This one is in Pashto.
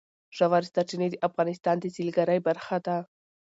ژورې سرچینې د افغانستان د سیلګرۍ برخه ده.